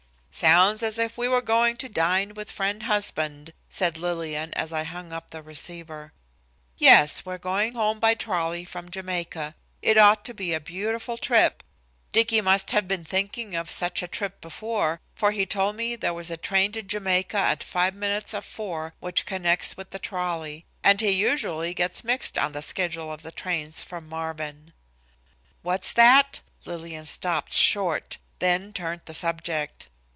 "Sounds as if we were going to dine with Friend Husband," said Lillian, as I hung up the receiver. "Yes, we are going home by trolley from Jamaica. It ought to be a beautiful trip. Dicky must have been thinking of such a trip before, for he told me there was a train to Jamaica at five minutes of four which connects with the trolley, and he usually gets mixed on the schedule of the trains from Marvin." "What's that?" Lillian stopped short, then turned the subject.